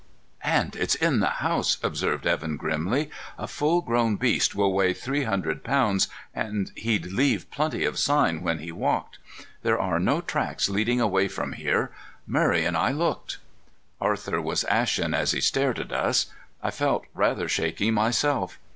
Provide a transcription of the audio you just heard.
"And it's in the house," observed Evan grimly. "A full grown beast will weigh three hundred pounds, and he'd leave plenty of sign when he walked. There are no tracks leading away from here. Murray and I looked." Arthur was ashen as he stared at us. I felt rather shaky myself.